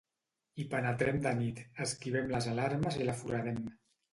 Hi penetrem de nit, esquivem les alarmes i la foradem.